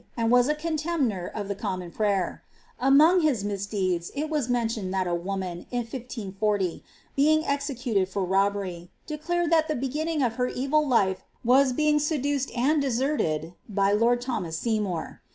and was a contemner of the Comnioa Fia^ Among his misdeeds, it was mentioned that a woman, in IMP, bcii| executed for robbery, declared that the beginning of her e»il Ue «• being seduced and deserted by lord Thomas Seymour.